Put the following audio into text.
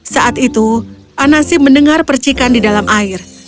saat itu anasi mendengar percikan di dalam air